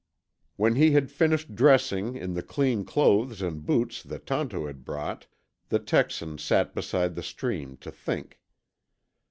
When he had finished dressing in the clean clothes and boots that Tonto had brought, the Texan sat beside the stream to think.